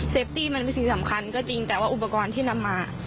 ตี้มันเป็นสิ่งสำคัญก็จริงแต่ว่าอุปกรณ์ที่นำมา